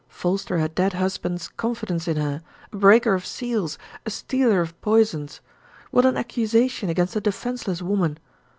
False to her dead husband's confidence in her, a breaker of seals, a stealer of poisons what an accusation against a defenseless woman!